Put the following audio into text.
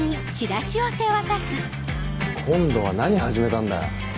今度は何始めたんだよ？